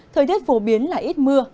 thời tiết phổ biến là ít mưa